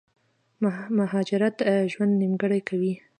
مهاجرت ژوند نيمګړی کوي